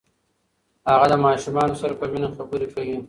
هغه د ماشومانو سره په مینه خبرې کوي.